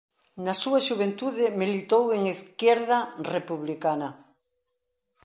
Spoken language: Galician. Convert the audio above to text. Na súa xuventude militou en Izquierda Republicana.